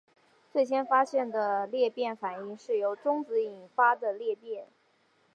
最先发现的裂变反应是由中子引发的裂变。